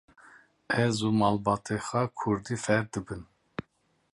Ez û malbata xwe kurdî fêr dibin.